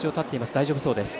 大丈夫そうです。